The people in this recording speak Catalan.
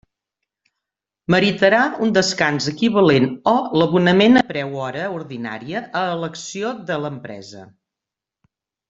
Meritarà un descans equivalent o l'abonament a preu hora ordinària a elecció de l'empresa.